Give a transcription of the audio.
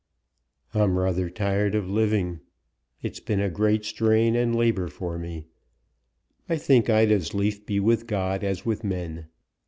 "I'm rather tired of living. It's been a great strain and labour for me. I think I'd as lief be with God as with men.